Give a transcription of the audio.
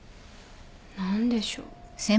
何でしょう？